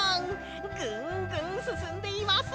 ぐんぐんすすんでいます！